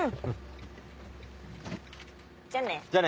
じゃあね。